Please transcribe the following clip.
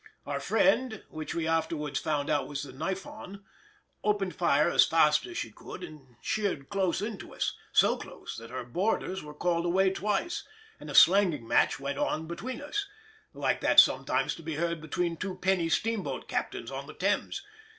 Our friend, which we afterwards found out was the Niphon, opened fire as fast as she could and sheered close into us, so close that her boarders were called away twice, and a slanging match went on between us, like that sometimes to be heard between two penny steamboat captains on the Thames.